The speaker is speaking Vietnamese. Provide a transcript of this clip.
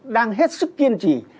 đang hết sức kiên trì